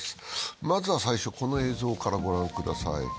まずは最初、この映像から御覧ください。